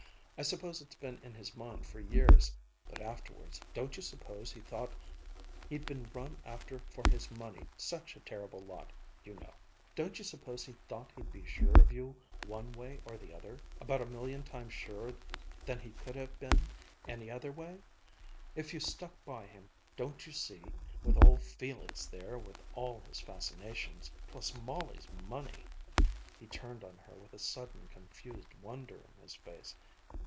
I suppose it's been in his mind for years. But afterwards, don't you suppose he thought ... he'd been run after for his money such a terrible lot, you know ... don't you suppose he thought he'd be sure of you one way or the other, about a million times surer than he could have been any other way; if you stuck by him, don't you see, with old Felix there with all his fascinations, plus Molly's money." He turned on her with a sudden confused wonder in his face.